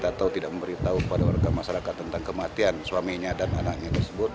atau tidak memberi tahu kepada warga masyarakat tentang kematian suaminya dan anaknya